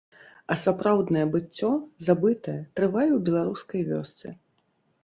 А сапраўднае быццё, забытае, трывае ў беларускай вёсцы.